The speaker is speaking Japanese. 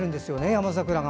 山桜が。